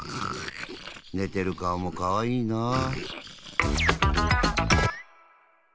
ねてる顔もかわいいなあ。